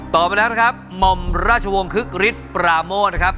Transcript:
ไปแล้วนะครับหม่อมราชวงศ์คึกฤทธิ์ปราโมทนะครับ